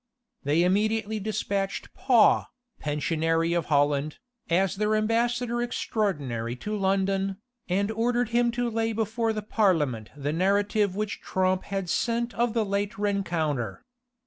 They immediately despatched Paw, pensionary of Holland, as their ambassador extraordinary to London, and ordered him to lay before the parliament the narrative which Tromp had sent of the late rencounter.